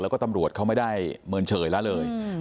และตำรวจไม่ได้เมินเฉยเลย